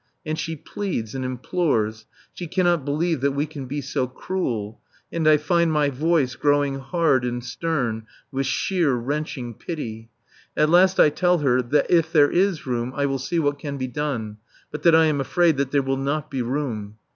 And she pleads and implores. She cannot believe that we can be so cruel, and I find my voice growing hard and stern with sheer, wrenching pity. At last I tell her that if there is room I will see what can be done, but that I am afraid that there will not be room.